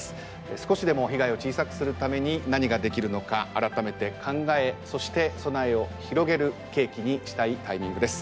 少しでも被害を小さくするために何ができるのか改めて考えそして備えを広げる契機にしたいタイミングです。